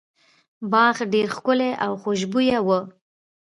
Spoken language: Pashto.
باغ ډیر ښکلی او خوشبويه و.